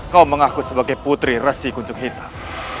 kau mengaku sebagai putri resi kuncung hitam